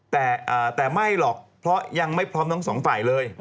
แต่ไม่หรอกเพราะยังไม่พร้อมทั้งสองฝ่ายเลย